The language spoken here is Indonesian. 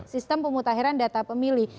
sistem pemutahiran data pemilih